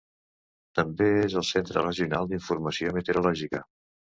També és el centre regional d'informació meteorològica.